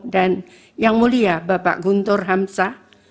dan yang mulia bapak guntur hamsa